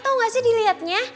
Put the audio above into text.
tau gak sih diliatnya